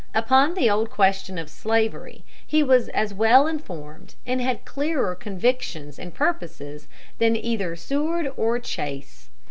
Upon the old question of slavery he was as well informed and had clearer convictions and purposes than either Seward or Chase.